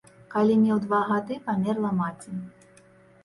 Калі меў два гады, памерла маці.